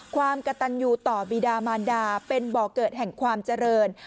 ความกระตันอยู่ต่อบีดามานดาเป็นบ่อเกิดแห่งความเจริญ